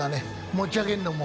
持ち上げるのも。